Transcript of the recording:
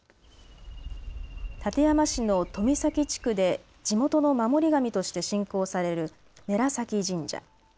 館山市の富崎地区で地元の守り神として信仰される布良崎神社。